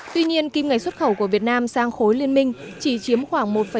tuy nhiên kim ngày xuất khẩu của việt nam sang khối liên minh chỉ chiếm khoảng một một tổng nhập